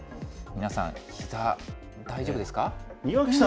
皆さん、ひざ大丈夫ですか？